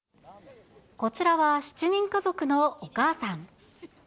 こちらは７人家族のお母さん。